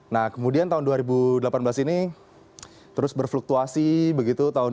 nah kemudian tahun dua ribu delapan belas ini terus berfluktuasi begitu tahun dua ribu delapan